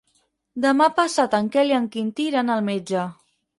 Demà passat en Quel i en Quintí iran al metge.